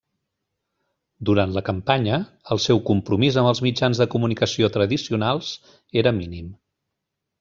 Durant la campanya, el seu compromís amb els mitjans de comunicació tradicionals era mínim.